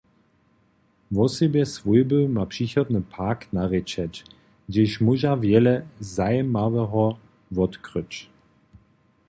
Wosebje swójby ma přirodny park narěčeć, hdźež móža wjele zajimaweho wotkryć.